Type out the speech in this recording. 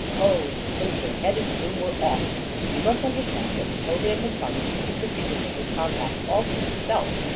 Ho! in a twinkling, head and plume were off! You must understand that Napoleon had promised to keep the secret of his compact all to himself.